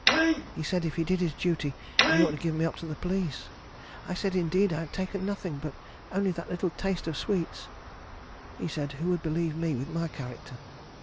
He said if he did his duty he ought to give me up to the police. I said indeed I had taken nothing, but only that little taste of sweets. He said who would believe me with my character?